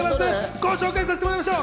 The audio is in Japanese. ご紹介させてもらいましょう！